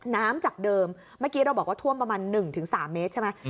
จากเดิมเมื่อกี้เราบอกว่าท่วมประมาณ๑๓เมตรใช่ไหม